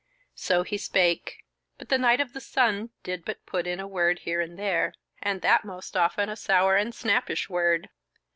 So he spake; but the Knight of the Sun did but put in a word here and there, and that most often a sour and snappish word.